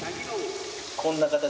こんな形で。